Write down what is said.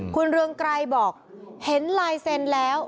คุณเรืองไกรบอกเห็นลายเซ็นแล้ว